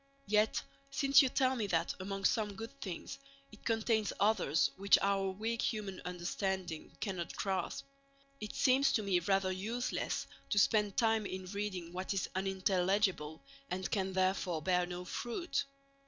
Yet since you tell me that among some good things it contains others which our weak human understanding cannot grasp, it seems to me rather useless to spend time in reading what is unintelligible and can therefore bear no fruit.